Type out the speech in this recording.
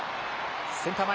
センター前。